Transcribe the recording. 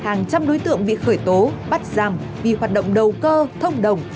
hàng trăm đối tượng bị khởi tố bắt giam vì hoạt động đầu cơ thông đồng